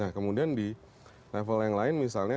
nah kemudian di level yang lain misalnya